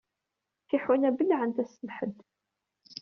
Tiḥuna bellɛent ass n lḥedd.